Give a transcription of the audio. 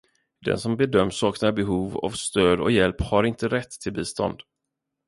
Den som bedöms sakna behov av stöd och hjälp har inte rätt till bistånd.